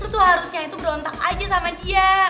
tuh harusnya itu berontak aja sama dia